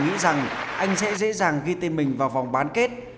nghĩ rằng anh sẽ dễ dàng ghi tên mình vào vòng bán kết